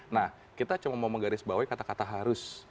nah kita cuma mau menggaris bawah kata kata harus